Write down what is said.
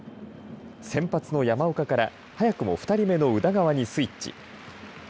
先発の山岡から早くも２人目の宇田川にスイッチ。